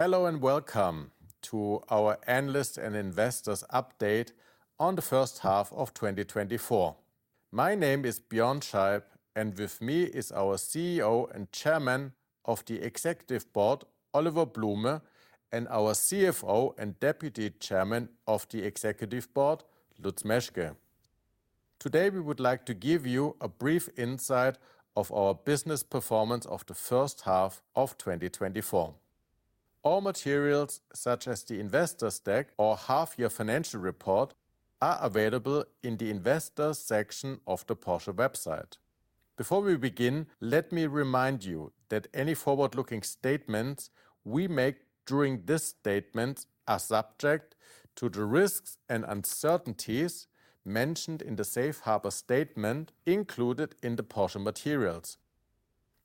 Hello and welcome to our Analysts and Investors Update on the first half of 2024. My name is Björn Scheib, and with me is our CEO and Chairman of the Executive Board, Oliver Blume, and our CFO and Deputy Chairman of the Executive Board, Lutz Meschke. Today we would like to give you a brief insight into our business performance of the first half of 2024. All materials, such as the Investor's Deck or half-year financial report, are available in the Investor's section of the Porsche website. Before we begin, let me remind you that any forward-looking statements we make during this statement are subject to the risks and uncertainties mentioned in the Safe Harbor Statement included in the Porsche materials.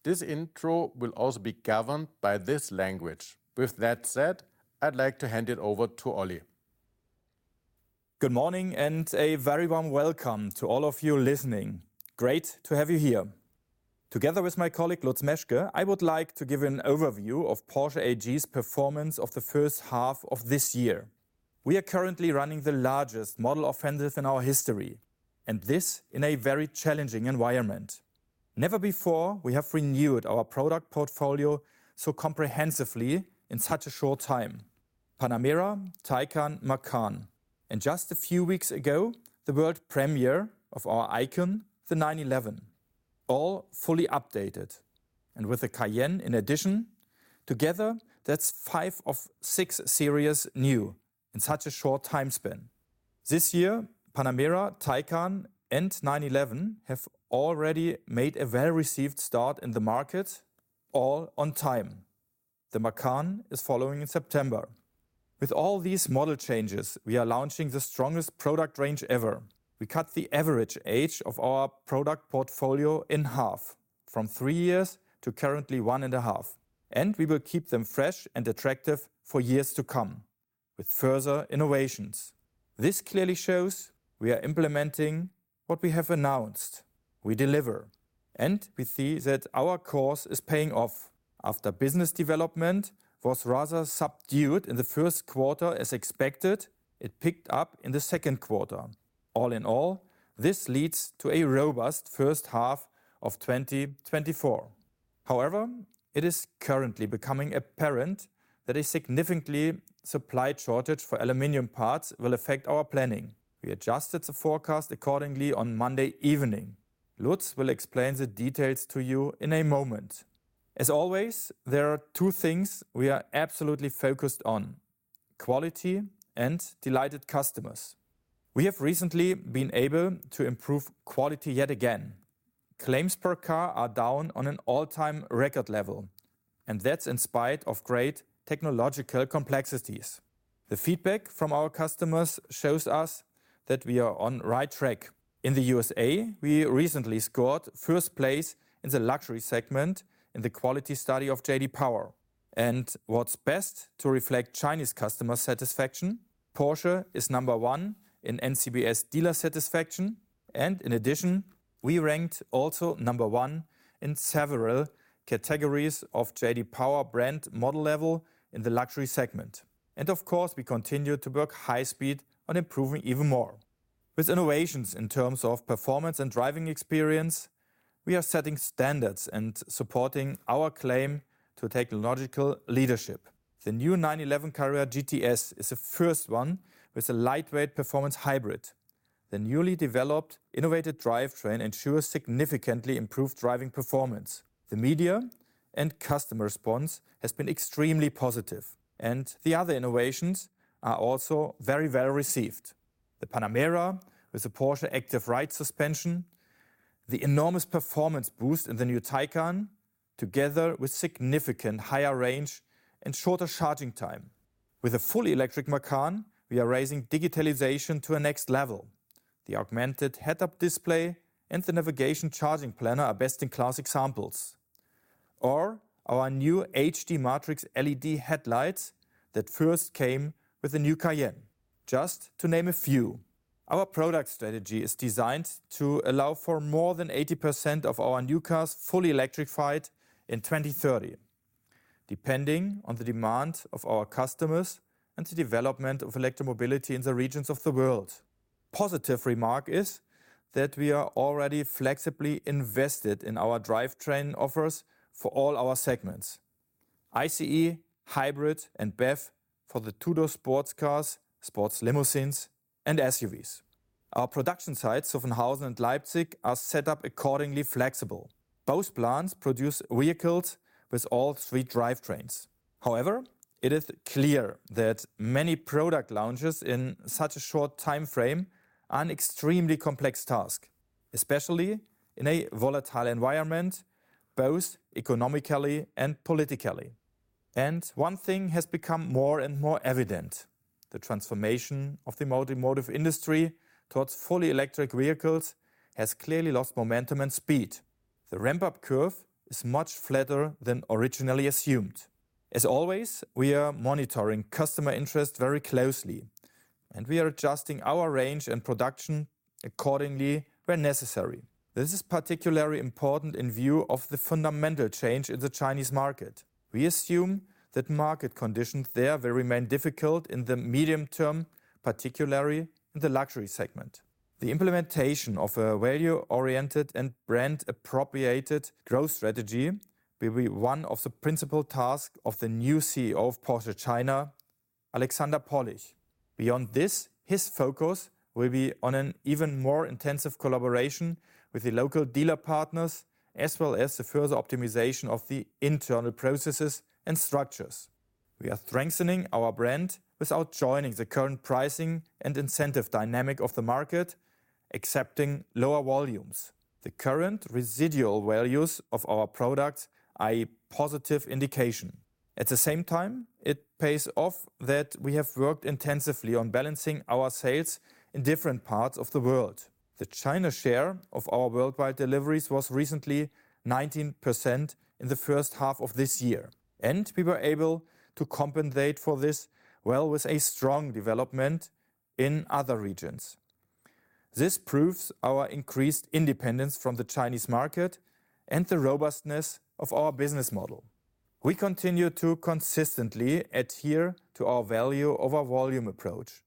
This intro will also be governed by this language. With that said, I'd like to hand it over to Oli. Good morning and a very warm welcome to all of you listening. Great to have you here. Together with my colleague Lutz Meschke, I would like to give you an overview of Porsche AG's performance of the first half of this year. We are currently running the largest model offensive in our history, and this in a very challenging environment. Never before have we renewed our product portfolio so comprehensively in such a short time: Panamera, Taycan, Macan. Just a few weeks ago, the world premiere of our icon, the 911, all fully updated and with a Cayenne in addition. Together, that's five of six series new in such a short time span. This year, Panamera, Taycan, and 911 have already made a well-received start in the market, all on time. The Macan is following in September. With all these model changes, we are launching the strongest product range ever. We cut the average age of our product portfolio in half, from three years to currently one and a half, and we will keep them fresh and attractive for years to come with further innovations. This clearly shows we are implementing what we have announced. We deliver, and we see that our course is paying off. After business development was rather subdued in the first quarter as expected, it picked up in the second quarter. All in all, this leads to a robust first half of 2024. However, it is currently becoming apparent that a significant supply shortage for aluminum parts will affect our planning. We adjusted the forecast accordingly on Monday evening. Lutz will explain the details to you in a moment. As always, there are two things we are absolutely focused on: quality and delighted customers. We have recently been able to improve quality yet again. Claims per car are down on an all-time record level, and that's in spite of great technological complexities. The feedback from our customers shows us that we are on the right track. In the U.S.A., we recently scored first place in the luxury segment in the quality study of J.D. Power. What's best to reflect Chinese customer satisfaction, Porsche is number one in NCBS dealer satisfaction, and in addition, we ranked also number one in several categories of J.D. Power brand model level in the luxury segment. Of course, we continue to work high-speed on improving even more. With innovations in terms of performance and driving experience, we are setting standards and supporting our claim to technological leadership. The new 911 Carrera GTS is the first one with a lightweight performance hybrid. The newly developed innovative drivetrain ensures significantly improved driving performance. The media and customer response has been extremely positive, and the other innovations are also very well received. The Panamera with the Porsche Active Ride suspension, the enormous performance boost in the new Taycan, together with significantly higher range and shorter charging time. With the fully electric Macan, we are raising digitalization to the next level. The augmented head-up display and the navigation charging planner are best-in-class examples. Our new HD Matrix LED headlights that first came with the new Cayenne, just to name a few. Our product strategy is designed to allow for more than 80% of our new cars fully electrified in 2030, depending on the demand of our customers and the development of electromobility in the regions of the world. Positive remark is that we are already flexibly invested in our drivetrain offers for all our segments: ICE, hybrid, and BEV for the two-door sports cars, sports limousines, and SUVs. Our production sites in Zuffenhausen and Leipzig are set up accordingly flexible. Both plants produce vehicles with all three drivetrains. However, it is clear that many product launches in such a short time frame are an extremely complex task, especially in a volatile environment, both economically and politically. One thing has become more and more evident: the transformation of the automotive industry towards fully electric vehicles has clearly lost momentum and speed. The ramp-up curve is much flatter than originally assumed. As always, we are monitoring customer interest very closely, and we are adjusting our range and production accordingly where necessary. This is particularly important in view of the fundamental change in the Chinese market. We assume that market conditions there will remain difficult in the medium term, particularly in the luxury segment. The implementation of a value-oriented and brand-appropriate growth strategy will be one of the principal tasks of the new CEO of Porsche China, Alexander Pollich. Beyond this, his focus will be on an even more intensive collaboration with the local dealer partners, as well as the further optimization of the internal processes and structures. We are strengthening our brand without joining the current pricing and incentive dynamic of the market, accepting lower volumes. The current residual values of our product are a positive indication. At the same time, it pays off that we have worked intensively on balancing our sales in different parts of the world. The China share of our worldwide deliveries was recently 19% in the first half of this year, and we were able to compensate for this well with a strong development in other regions. This proves our increased independence from the Chinese market and the robustness of our business model. We continue to consistently adhere to our value-over-volume approach.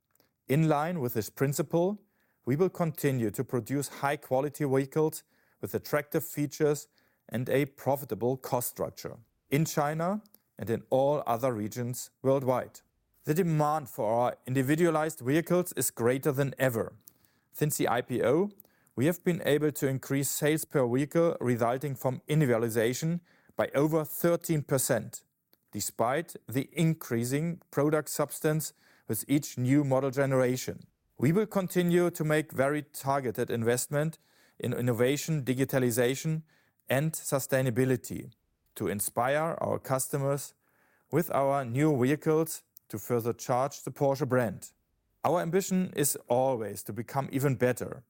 In line with this principle, we will continue to produce high-quality vehicles with attractive features and a profitable cost structure in China and in all other regions worldwide. The demand for our individualized vehicles is greater than ever. Since the IPO, we have been able to increase sales per vehicle resulting from individualization by over 13%, despite the increasing product substance with each new model generation. We will continue to make very targeted investments in innovation, digitalization, and sustainability to inspire our customers with our new vehicles to further charge the Porsche brand. Our ambition is always to become even better,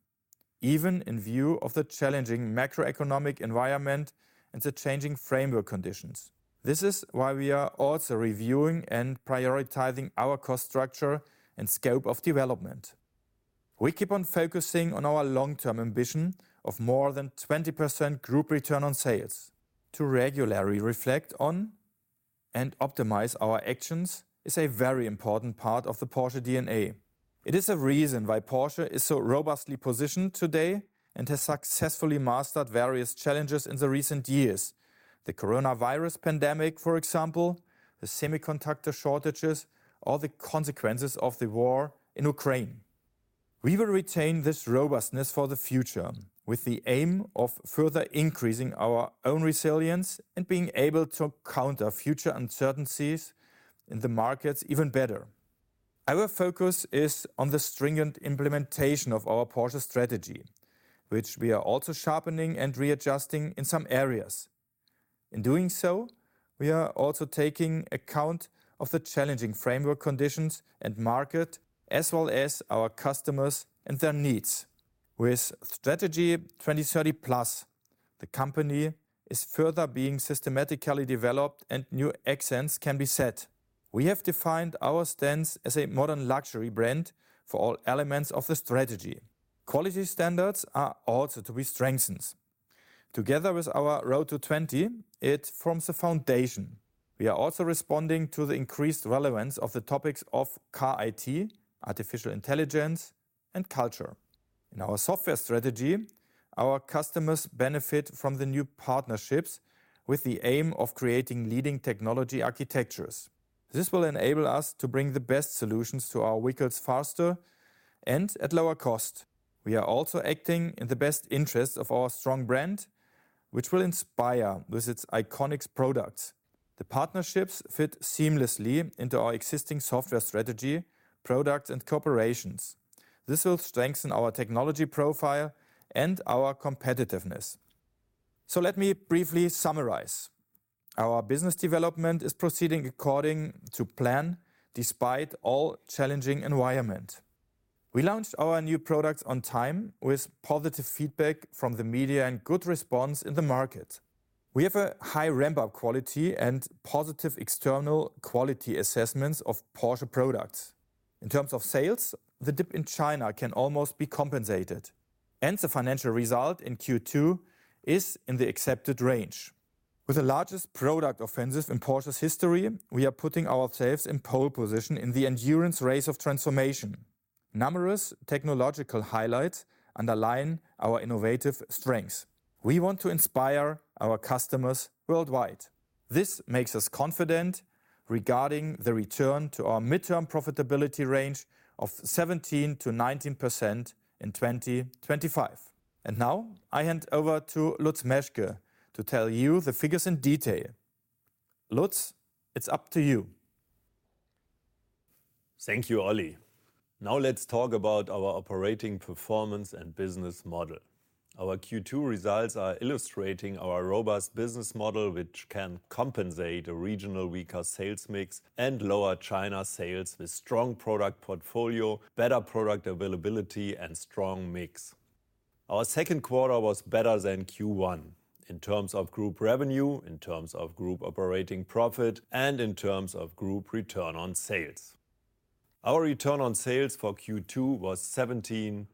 even in view of the challenging macroeconomic environment and the changing framework conditions. This is why we are also reviewing and prioritizing our cost structure and scope of development. We keep on focusing on our long-term ambition of more than 20% group return on sales. To regularly reflect on and optimize our actions is a very important part of the Porsche DNA. It is a reason why Porsche is so robustly positioned today and has successfully mastered various challenges in the recent years: the coronavirus pandemic, for example, the semiconductor shortages, or the consequences of the war in Ukraine. We will retain this robustness for the future with the aim of further increasing our own resilience and being able to counter future uncertainties in the markets even better. Our focus is on the stringent implementation of our Porsche strategy, which we are also sharpening and readjusting in some areas. In doing so, we are also taking account of the challenging framework conditions and market, as well as our customers and their needs. With Strategy 2030 Plus, the company is further being systematically developed, and new accents can be set. We have defined our stance as a modern luxury brand for all elements of the strategy. Quality standards are also to be strengthened. Together with our Road to 20, it forms the foundation. We are also responding to the increased relevance of the topics of car IT, artificial intelligence, and culture. In our software strategy, our customers benefit from the new partnerships with the aim of creating leading technology architectures. This will enable us to bring the best solutions to our vehicles faster and at lower cost. We are also acting in the best interests of our strong brand, which will inspire with its iconic products. The partnerships fit seamlessly into our existing software strategy, products, and corporations. This will strengthen our technology profile and our competitiveness. Let me briefly summarize. Our business development is proceeding according to plan despite all challenging environments. We launched our new products on time with positive feedback from the media and good response in the market. We have a high ramp-up quality and positive external quality assessments of Porsche products. In terms of sales, the dip in China can almost be compensated, and the financial result in Q2 is in the accepted range. With the largest product offensive in Porsche's history, we are putting ourselves in pole position in the endurance race of transformation. Numerous technological highlights underline our innovative strengths. We want to inspire our customers worldwide. This makes us confident regarding the return to our midterm profitability range of 17% to 19% in 2025. And now I hand over to Lutz Meschke to tell you the figures in detail. Lutz, it's up to you. Thank you, Oli. Now let's talk about our operating performance and business model. Our Q2 results are illustrating our robust business model, which can compensate a regional vehicle sales mix and lower China sales with a strong product portfolio, better product availability, and a strong mix. Our second quarter was better than Q1 in terms of group revenue, in terms of group operating profit, and in terms of group return on sales. Our return on sales for Q2 was 17.0%.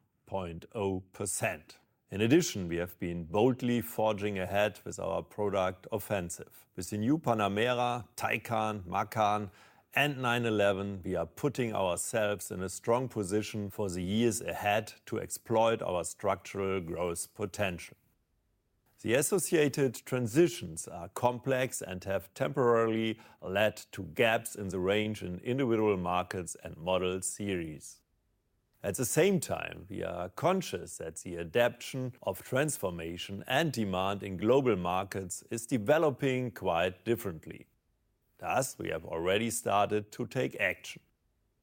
In addition, we have been boldly forging ahead with our product offensive. With the new Panamera, Taycan, Macan, and 911, we are putting ourselves in a strong position for the years ahead to exploit our structural growth potential. The associated transitions are complex and have temporarily led to gaps in the range in individual markets and model series. At the same time, we are conscious that the adaptation of transformation and demand in global markets is developing quite differently. Thus, we have already started to take action.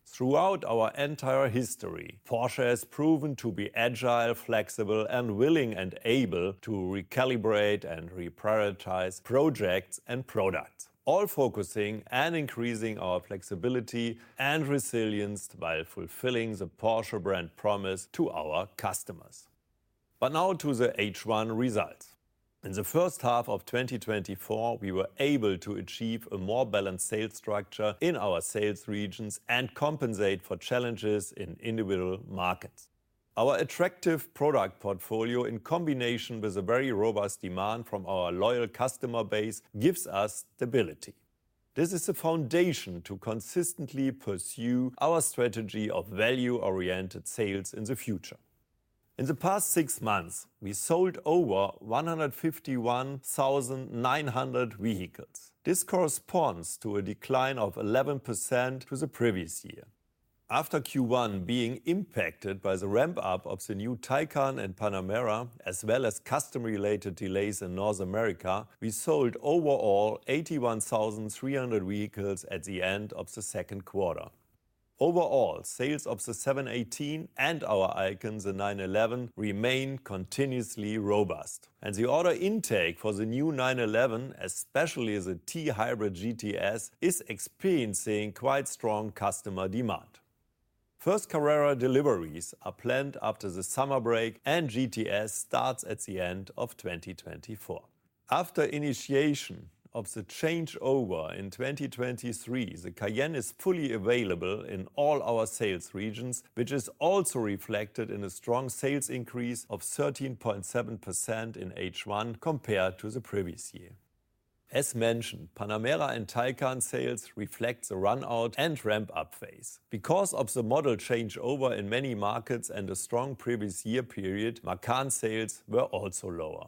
Throughout our entire history, Porsche has proven to be agile, flexible, and willing and able to recalibrate and reprioritize projects and products, all focusing and increasing our flexibility and resilience while fulfilling the Porsche brand promise to our customers. But now to the H1 results. In the first half of 2024, we were able to achieve a more balanced sales structure in our sales regions and compensate for challenges in individual markets. Our attractive product portfolio, in combination with a very robust demand from our loyal customer base, gives us stability. This is the foundation to consistently pursue our strategy of value-oriented sales in the future. In the past six months, we sold over 151,900 vehicles. This corresponds to a decline of 11% to the previous year. After Q1 being impacted by the ramp-up of the new Taycan and Panamera, as well as customer-related delays in North America, we sold overall 81,300 vehicles at the end of the second quarter. Overall, sales of the 718 and our icon, the 911, remain continuously robust, and the order intake for the new 911, especially the T-Hybrid GTS, is experiencing quite strong customer demand. First Carrera deliveries are planned after the summer break, and GTS starts at the end of 2024. After initiation of the changeover in 2023, the Cayenne is fully available in all our sales regions, which is also reflected in a strong sales increase of 13.7% in H1 compared to the previous year. As mentioned, Panamera and Taycan sales reflect the run-out and ramp-up phase. Because of the model changeover in many markets and the strong previous year period, Macan sales were also lower.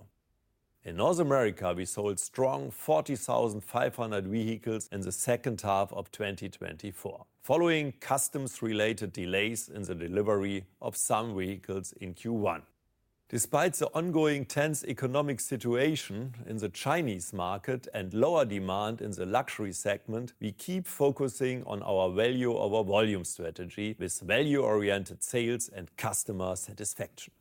In North America, we sold a strong 40,500 vehicles in the second half of 2024, following customs-related delays in the delivery of some vehicles in Q1. Despite the ongoing tense economic situation in the Chinese market and lower demand in the luxury segment, we keep focusing on our value-over-volume strategy with value-oriented sales and customer satisfaction.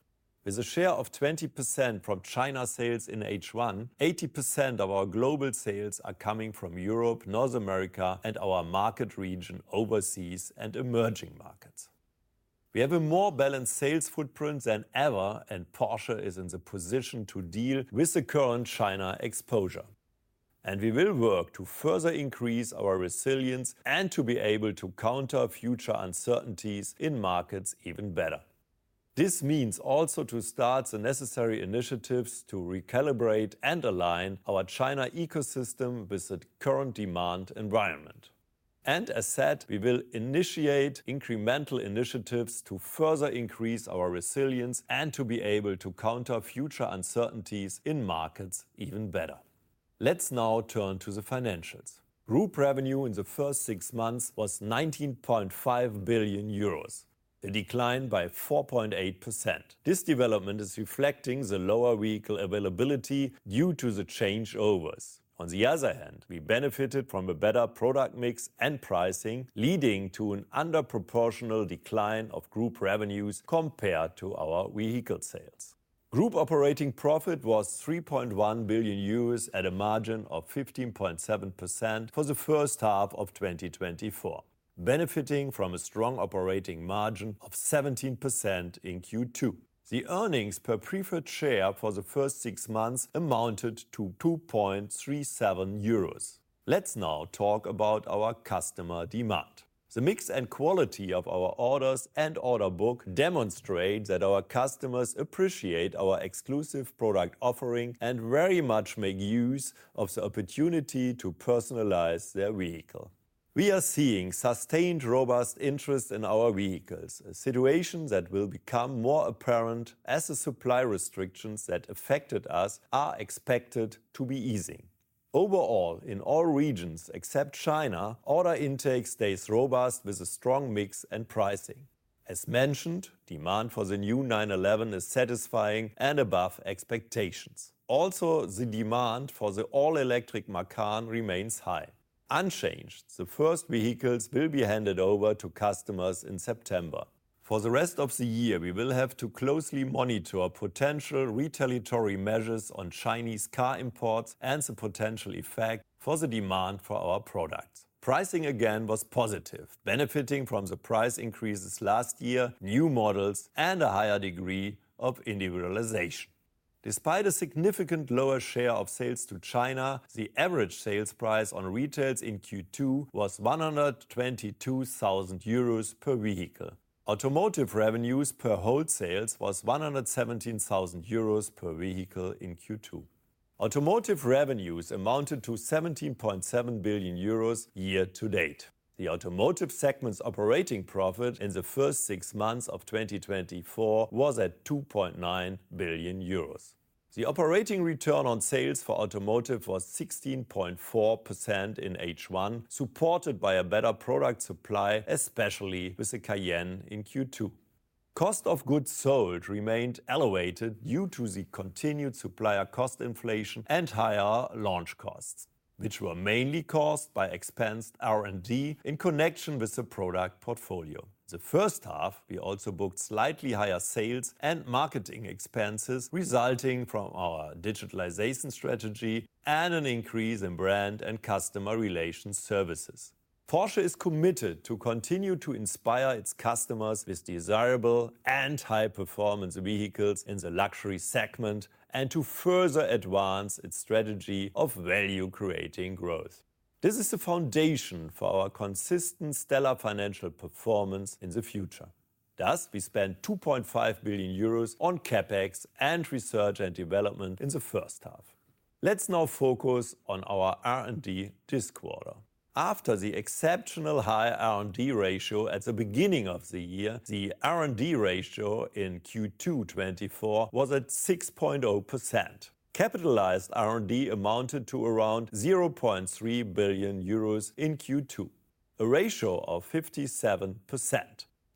With a share of 20% from China sales in H1, 80% of our global sales are coming from Europe, North America, and our market region overseas and emerging markets. We have a more balanced sales footprint than ever, and Porsche is in the position to deal with the current China exposure. We will work to further increase our resilience and to be able to counter future uncertainties in markets even better. This means also to start the necessary initiatives to recalibrate and align our China ecosystem with the current demand environment. As said, we will initiate incremental initiatives to further increase our resilience and to be able to counter future uncertainties in markets even better. Let's now turn to the financials. Group revenue in the first six months was €19.5 billion, a decline by 4.8%. This development is reflecting the lower vehicle availability due to the changeovers. On the other hand, we benefited from a better product mix and pricing, leading to an underproportional decline of group revenues compared to our vehicle sales. Group operating profit was €3.1 billion at a margin of 15.7% for the first half of 2024, benefiting from a strong operating margin of 17% in Q2. The earnings per preferred share for the first six months amounted to €2.37. Let's now talk about our customer demand. The mix and quality of our orders and order book demonstrate that our customers appreciate our exclusive product offering and very much make use of the opportunity to personalize their vehicle. We are seeing sustained robust interest in our vehicles, a situation that will become more apparent as the supply restrictions that affected us are expected to be easing. Overall, in all regions except China, order intake stays robust with a strong mix and pricing. As mentioned, demand for the new 911 is satisfying and above expectations. Also, the demand for the all-electric Macan remains high. Unchanged, the first vehicles will be handed over to customers in September. For the rest of the year, we will have to closely monitor potential retaliatory measures on Chinese car imports and the potential effect for the demand for our products. Pricing again was positive, benefiting from the price increases last year, new models, and a higher degree of individualization. Despite a significantly lower share of sales to China, the average sales price on retail in Q2 was €122,000 per vehicle. Automotive revenues per wholesale was €117,000 per vehicle in Q2. Automotive revenues amounted to €17.7 billion year to date. The automotive segment's operating profit in the first six months of 2024 was at €2.9 billion. The operating return on sales for automotive was 16.4% in H1, supported by better product supply, especially with the Cayenne in Q2. Cost of goods sold remained elevated due to the continued supplier cost inflation and higher launch costs, which were mainly caused by expensed R&D in connection with the product portfolio. The first half, we also booked slightly higher sales and marketing expenses resulting from our digitalization strategy and an increase in brand and customer relation services. Porsche is committed to continue to inspire its customers with desirable and high-performance vehicles in the luxury segment and to further advance its strategy of value-creating growth. This is the foundation for our consistent stellar financial performance in the future. Thus, we spent €2.5 billion on CapEx and research and development in the first half. Let's now focus on our R&D this quarter. After the exceptional high R&D ratio at the beginning of the year, the R&D ratio in Q2 24 was at 6.0%. Capitalized R&D amounted to around €0.3 billion in Q2, a ratio of 57%.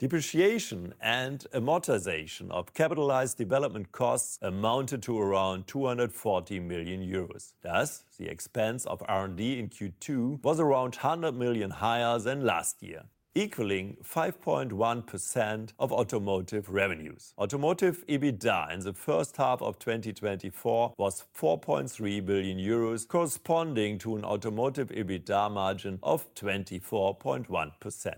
Depreciation and amortization of capitalized development costs amounted to around €240 million. Thus, the expense of R&D in Q2 was around 100 million higher than last year, equaling 5.1% of automotive revenues. Automotive EBITDA in the first half of 2024 was €4.3 billion, corresponding to an automotive EBITDA margin of 24.1%.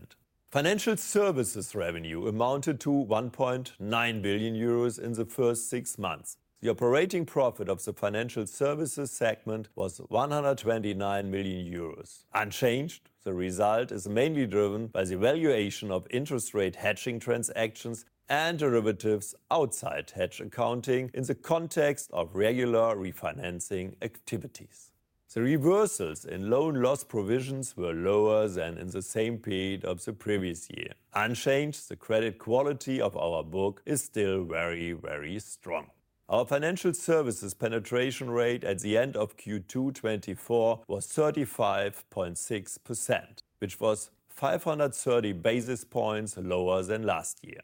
Financial services revenue amounted to €1.9 billion in the first six months. The operating profit of the financial services segment was €129 million. Unchanged, the result is mainly driven by the valuation of interest rate hedging transactions and derivatives outside hedge accounting in the context of regular refinancing activities. The reversals in loan loss provisions were lower than in the same period of the previous year. Unchanged, the credit quality of our book is still very, very strong. Our financial services penetration rate at the end of Q2 2024 was 35.6%, which was 530 basis points lower than last year.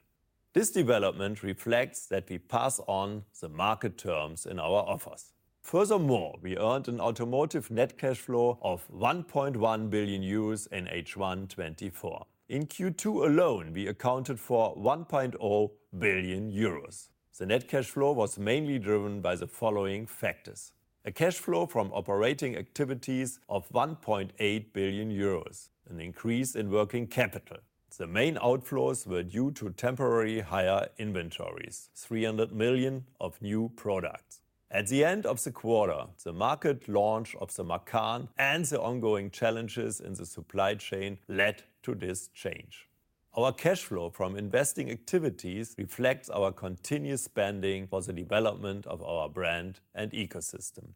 This development reflects that we pass on the market terms in our offers. Furthermore, we earned an automotive net cash flow of €1.1 billion in H1 2024. In Q2 alone, we accounted for €1.0 billion. The net cash flow was mainly driven by the following factors: a cash flow from operating activities of €1.8 billion, an increase in working capital. The main outflows were due to temporary higher inventories, €300 million of new products. At the end of the quarter, the market launch of the Macan and the ongoing challenges in the supply chain led to this change. Our cash flow from investing activities reflects our continuous spending for the development of our brand and ecosystem.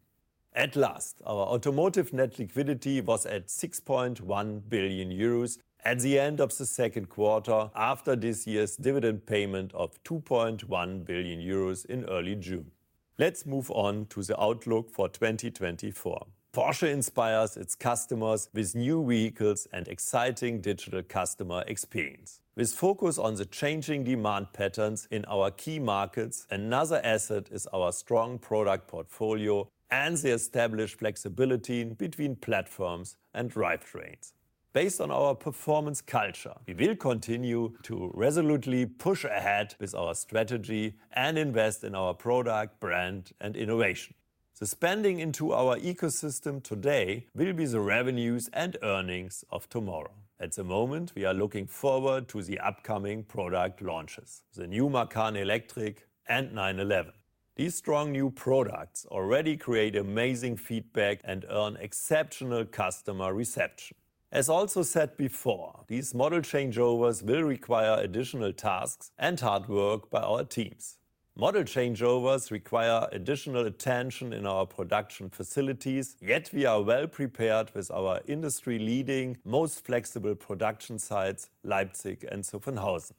At last, our automotive net liquidity was at €6.1 billion at the end of the second quarter after this year's dividend payment of €2.1 billion in early June. Let's move on to the outlook for 2024. Porsche inspires its customers with new vehicles and exciting digital customer experience. With focus on the changing demand patterns in our key markets, another asset is our strong product portfolio and the established flexibility between platforms and drivetrains. Based on our performance culture, we will continue to resolutely push ahead with our strategy and invest in our product, brand, and innovation. The spending into our ecosystem today will be the revenues and earnings of tomorrow. At the moment, we are looking forward to the upcoming product launches: the new Macan Electric and 911. These strong new products already create amazing feedback and earn exceptional customer reception. As also said before, these model changeovers will require additional tasks and hard work by our teams. Model changeovers require additional attention in our production facilities, yet we are well prepared with our industry-leading, most flexible production sites, Leipzig and Zuffenhausen.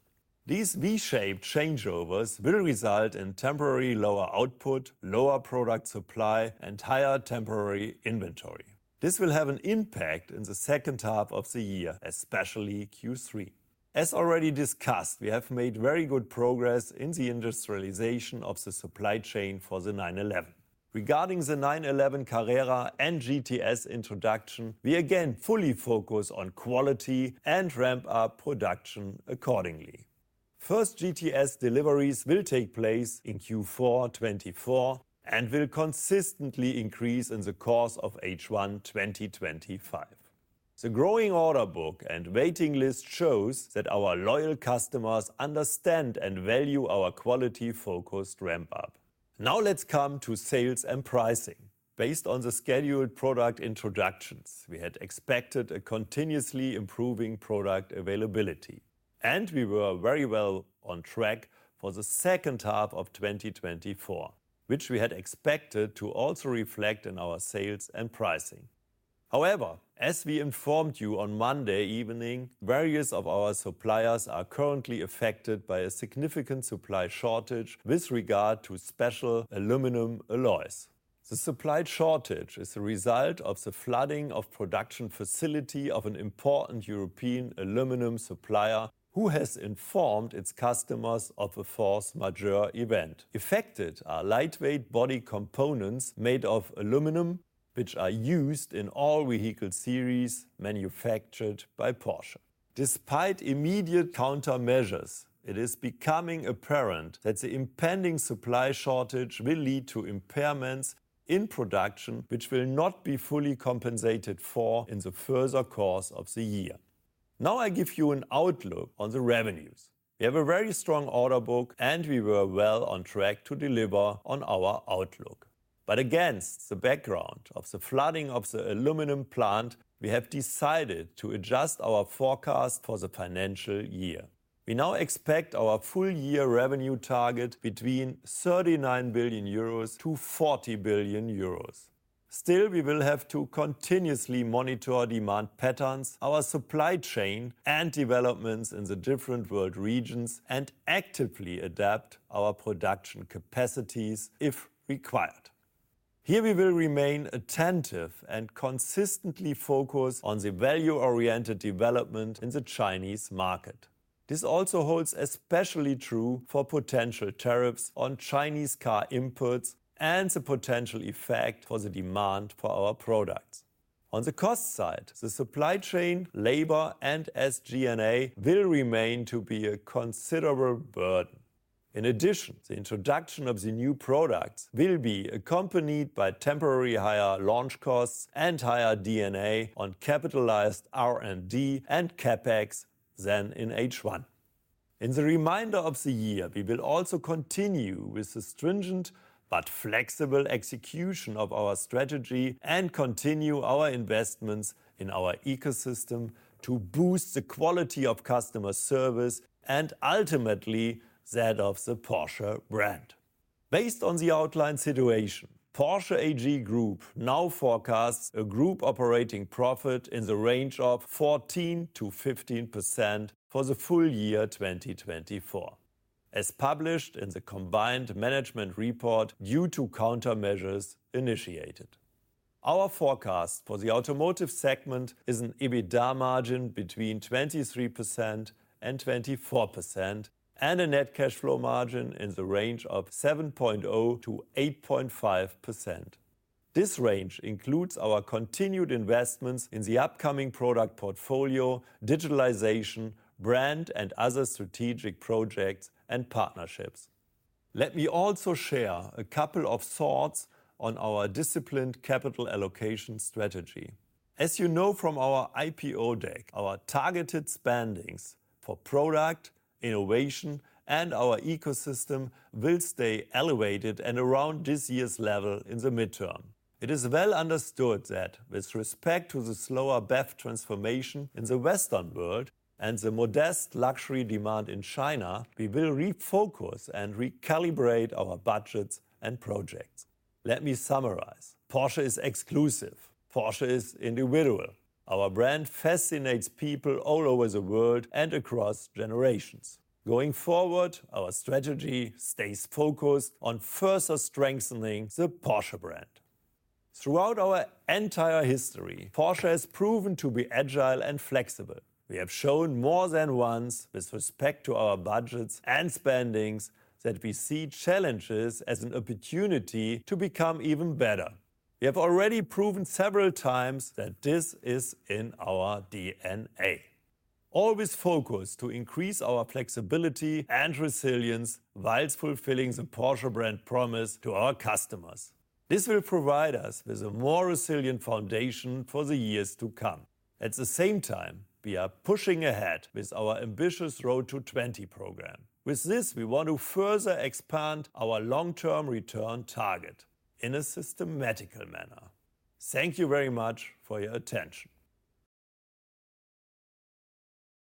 These V-shaped changeovers will result in temporary lower output, lower product supply, and higher temporary inventory. This will have an impact in the second half of the year, especially Q3. As already discussed, we have made very good progress in the industrialization of the supply chain for the 911. Regarding the 911 Carrera and GTS introduction, we again fully focus on quality and ramp up production accordingly. First GTS deliveries will take place in Q4 2024 and will consistently increase in the course of H1 2025. The growing order book and waiting list shows that our loyal customers understand and value our quality-focused ramp-up. Now let's come to sales and pricing. Based on the scheduled product introductions, we had expected a continuously improving product availability, and we were very well on track for the second half of 2024, which we had expected to also reflect in our sales and pricing. However, as we informed you on Monday evening, various of our suppliers are currently affected by a significant supply shortage with regard to special aluminum alloys. The supply shortage is the result of the flooding of production facility of an important European aluminum supplier who has informed its customers of a force majeure event. Affected are lightweight body components made of aluminum, which are used in all vehicle series manufactured by Porsche. Despite immediate countermeasures, it is becoming apparent that the impending supply shortage will lead to impairments in production, which will not be fully compensated for in the further course of the year. Now I give you an outlook on the revenues. We have a very strong order book, and we were well on track to deliver on our outlook. But against the background of the flooding of the aluminum plant, we have decided to adjust our forecast for the financial year. We now expect our full-year revenue target between €39 billion to €40 billion. Still, we will have to continuously monitor demand patterns, our supply chain and developments in the different world regions, and actively adapt our production capacities if required. Here we will remain attentive and consistently focus on the value-oriented development in the Chinese market. This also holds especially true for potential tariffs on Chinese car inputs and the potential effect for the demand for our products. On the cost side, the supply chain, labor, and SG&A will remain to be a considerable burden. In addition, the introduction of the new products will be accompanied by temporary higher launch costs and higher D&A on capitalized R&D and CapEx than in H1. In the remainder of the year, we will also continue with the stringent but flexible execution of our strategy and continue our investments in our ecosystem to boost the quality of customer service and ultimately that of the Porsche brand. Based on the outlined situation, Porsche AG Group now forecasts a group operating profit in the range of 14% to 15% for the full year 2024, as published in the combined management report due to countermeasures initiated. Our forecast for the automotive segment is an EBITDA margin between 23% and 24% and a net cash flow margin in the range of 7.0% to 8.5%. This range includes our continued investments in the upcoming product portfolio, digitalization, brand, and other strategic projects and partnerships. Let me also share a couple of thoughts on our disciplined capital allocation strategy. As you know from our IPO deck, our targeted spending for product, innovation, and our ecosystem will stay elevated and around this year's level in the midterm. It is well understood that with respect to the slower BEV transformation in the Western world and the modest luxury demand in China, we will refocus and recalibrate our budgets and projects. Let me summarize: Porsche is exclusive. Porsche is individual. Our brand fascinates people all over the world and across generations. Going forward, our strategy stays focused on further strengthening the Porsche brand. Throughout our entire history, Porsche has proven to be agile and flexible. We have shown more than once with respect to our budgets and spending that we see challenges as an opportunity to become even better. We have already proven several times that this is in our DNA. Always focused to increase our flexibility and resilience whilst fulfilling the Porsche brand promise to our customers. This will provide us with a more resilient foundation for the years to come. At the same time, we are pushing ahead with our ambitious Road to 20 program. With this, we want to further expand our long-term return target in a systematic manner. Thank you very much for your attention.